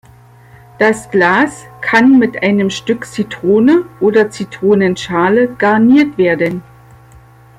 Das Glas kann mit einem Stück Zitrone oder Zitronenschale garniert werden.